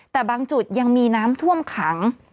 แต่บางจุดยังมีน้ำท่วมขัง